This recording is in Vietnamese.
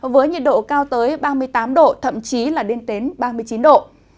với nhiệt độ cao tới ba mươi tám độ thậm chí là đến ba mươi chín độ